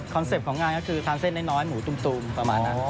เป็ปต์ของงานก็คือทานเส้นน้อยหมูตุมประมาณนั้น